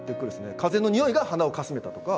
風のにおいが鼻をかすめた。